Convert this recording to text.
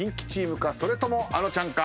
それともあのちゃんか。